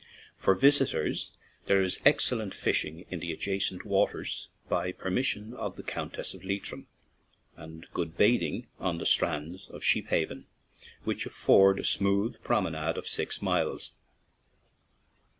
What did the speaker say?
For visitors there is excellent fishing in the adjacent waters, by permission of the Countess of Leitrim, and good bathing on the strands of Sheep haven, which afford a smooth promenade of six miles.